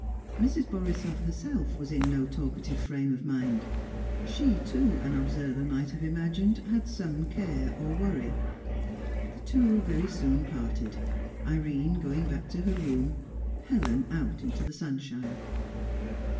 Mrs. Borisoff herself was in no talkative frame of mind. She, too, an observer might have imagined, had some care or worry. The two very soon parted; Irene going back to her room, Helen out into the sunshine.